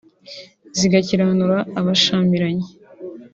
zigakiranura abashyamiranye